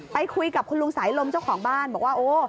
ไปคุยกับคุณลุงสายลมเจ้าของบ้านบอกว่าโอ้